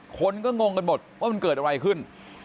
คนก็งงกันหมดว่ามันเกิดอะไรขึ้น